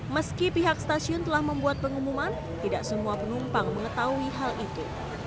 meski pihak stasiun telah membuat pengumuman tidak semua penumpang mengetahui hal itu